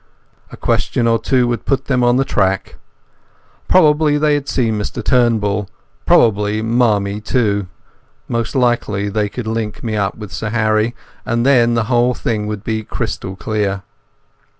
A question or two would put them on the track. Probably they had seen Mr Turnbull, probably Marmie too; most likely they could link me up with Sir Harry, and then the whole thing would be crystal clear.